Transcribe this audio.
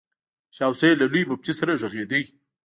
شاه حسين له لوی مفتي سره غږېده.